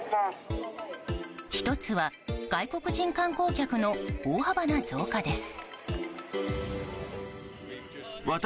１つは外国人観光客の大幅な増加です。